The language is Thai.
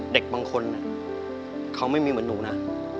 เด็กบางคนเขาไม่มีเหมือนหนูนะ